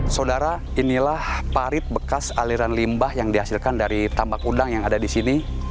saudara inilah parit bekas aliran limbah yang dihasilkan dari tambak udang yang ada di sini